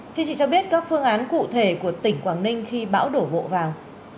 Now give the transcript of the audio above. chị cho biết các phương án cụ thể của tỉnh quảng ninh khi bão đổ bộ vào